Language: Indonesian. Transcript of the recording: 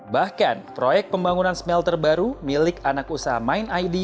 bahkan proyek pembangunan smelter baru milik anak usaha mind id